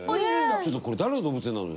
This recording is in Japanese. ちょっとこれ誰の動物園なのよ。